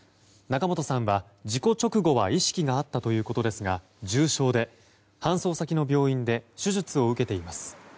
仲本さんは、事故直後は意識があったということですが重傷で、搬送先の病院で手術を受けています。